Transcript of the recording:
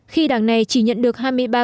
khi đảng này chỉ nhận được